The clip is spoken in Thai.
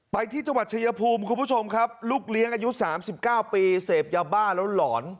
ไปที่จังหวัดชายภูมิคุณผู้ชมครับลูกเลี้ยงอายุ๓๙ปีเสพยาบ้าแล้วหลอน